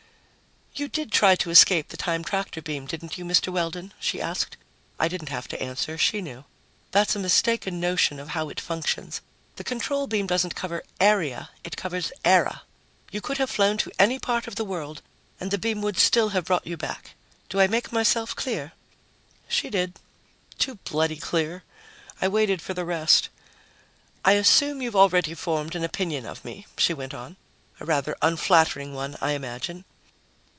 "You did try to escape the time tractor beam, didn't you, Mr. Weldon?" she asked. I didn't have to answer; she knew. "That's a mistaken notion of how it functions. The control beam doesn't cover area; it covers era. You could have flown to any part of the world and the beam would still have brought you back. Do I make myself clear?" She did. Too bloody clear. I waited for the rest. "I assume you've already formed an opinion of me," she went on. "A rather unflattering one, I imagine."